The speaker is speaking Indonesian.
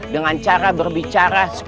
dengan cara berbicara